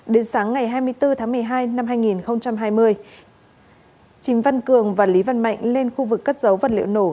đến sáng ngày hai mươi bốn tháng một mươi hai năm hai nghìn hai mươi trình văn cường và lý văn mạnh lên khu vực cất dấu vật liệu nổ